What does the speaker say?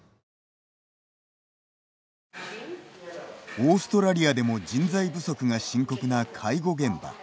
オーストラリアでも人材不足が深刻な介護現場。